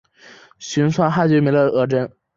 寻擢汉军梅勒额真。